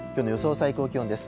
最高気温です。